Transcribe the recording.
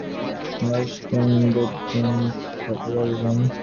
বাঁশবন, বেতবন, খাগড়ার বন।